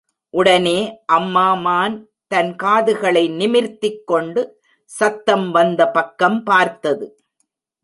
உடனே, அம்மா மான் தன் காதுகளை நிமிர்த்திக் கொண்டு சத்தம் வந்த பக்கம் பார்த்தது.